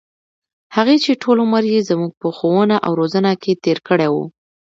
هغـې چـې ټـول عـمر يـې زمـوږ په ښـوونه او روزنـه کـې تېـر کـړى و.